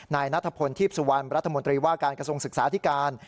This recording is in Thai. นายนัทพลทีพสุวรรณรัฐมนตรีว่าการกระทรวงศึกษาที่การ